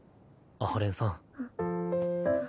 阿波連さん。